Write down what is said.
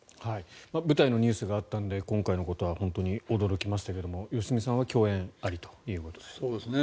舞台のニュースがあったので、今回のことは本当に驚きましたけど良純さんは共演ありということですね。